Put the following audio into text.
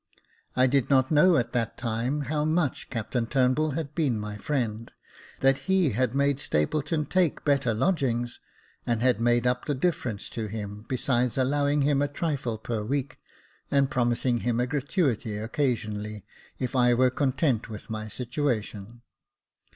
I did not know at that time how much Captain Turnbull had been my friend — that he had made Stapleton take better lodgings, and had made up the diiference to him, besides allowing him a trifle per week, and promising him a gratuity occasionally, if I were content with my situation.